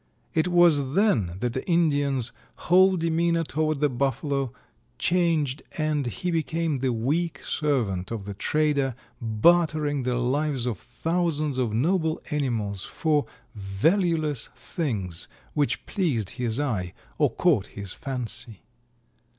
It was then that the Indian's whole demeanor toward the Buffalo changed and he became the weak servant of the trader, bartering the lives of thousands of noble animals for valueless things which pleased his eye or caught his fancy.